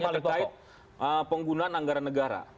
terkait penggunaan anggaran negara